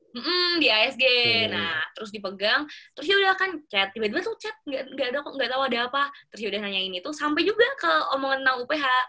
hmm di asg nah terus dipegang terus yaudah kan chat tiba tiba tuh chat gak tau ada apa terus yaudah nanyain itu sampai juga ke omongan tentang uph